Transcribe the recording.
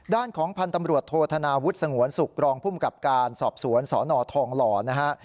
ด้านของพันธ์ตำรวจโทษธนาวุฒิสงวนสุขรองภูมิกับการสอบสวนสนทองหล่อนะฮะ